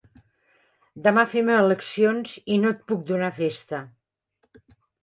Demà fem eleccions i no et puc donar festa.